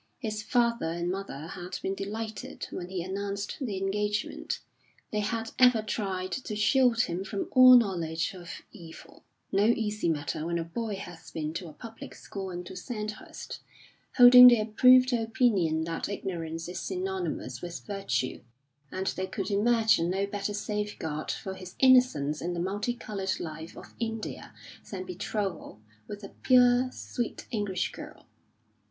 His father and mother had been delighted when he announced the engagement. They had ever tried to shield him from all knowledge of evil no easy matter when a boy has been to a public school and to Sandhurst holding the approved opinion that ignorance is synonymous with virtue; and they could imagine no better safeguard for his innocence in the multi coloured life of India than betrothal with a pure, sweet English girl.